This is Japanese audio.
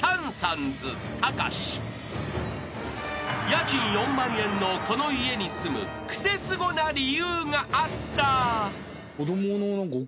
［家賃４万円のこの家に住むクセスゴな理由があった］